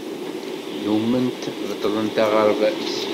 Nnumment beṭṭlent aɣerbaz.